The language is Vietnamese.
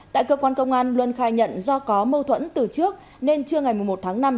tại cơ quan công an luân khai nhận do có mâu thuẫn từ trước nên trưa ngày một tháng năm